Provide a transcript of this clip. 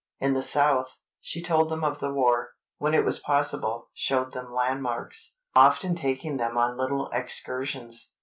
In the South, she told them of the war; when it was possible, showed them landmarks, often taking them on little excursions.